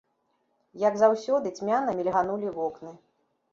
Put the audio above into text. Як заўсёды, цьмяна мільганулі вокны.